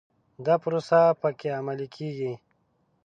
دا پروسه په کې عملي کېږي.